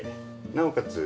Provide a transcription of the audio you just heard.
なおかつ